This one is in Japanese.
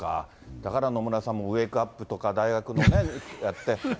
だから野村さんもウェークアップとか大学のね、やって。